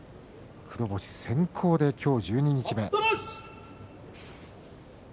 黒星先行で今日十二日目。